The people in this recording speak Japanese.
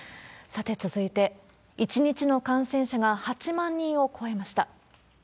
さて、続いて、１日の感染者が８万人を超えました。